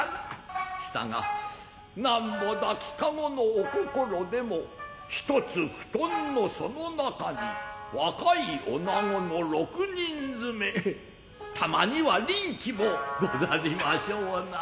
したがなんぼ抱籠のお心でも一つ布団の其中に若い女の六人詰たまには悋気もござりましょうな。